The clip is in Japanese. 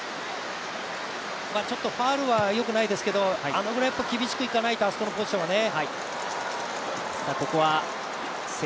ちょっとファウルはよくないですけれども、あのくらい厳しくいかないと、あそこのポジションはね。